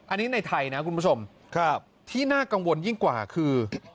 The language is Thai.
อันนี้ในไทยนะคุณผู้ชมที่น่ากังวลยิ่งกว่าคือ